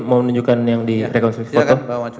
mau menunjukkan yang di rekonstruksi foto